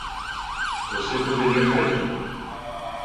Você poderia cair